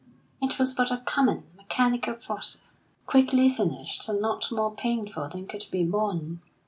It was but a common, mechanical process, quickly finished, and not more painful than could be borne.